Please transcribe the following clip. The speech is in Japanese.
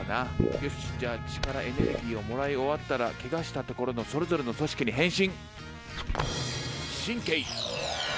よしじゃあ血からエネルギーをもらい終わったらけがしたところのそれぞれの組織に変身。